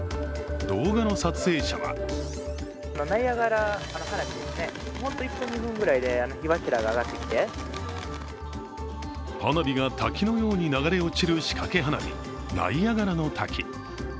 動画の撮影者は花火が滝のように流れ落ちる仕掛け花火、ナイアガラの滝。